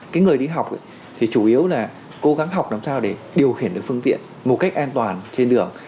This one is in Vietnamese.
cái người đi học thì chủ yếu là cố gắng học làm sao để điều khiển được phương tiện một cách an toàn trên đường